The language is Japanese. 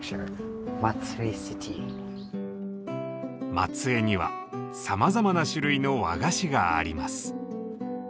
松江にはさまざまな種類の和菓子があります。